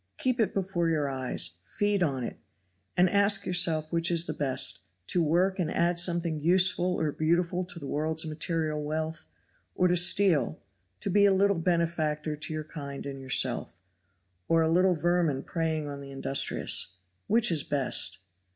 Keep it before your eyes, feed on it, and ask yourself which is the best, to work and add something useful or beautiful to the world's material wealth, or to steal; to be a little benefactor to your kind and yourself, or a little vermin preying on the industrious. Which is best?"